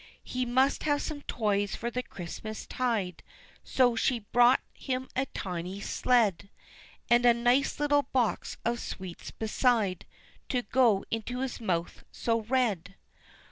He must have some toys for the Christmas tide, So she bought him a tiny sled, And a nice little box of sweets beside To go into his mouth so red.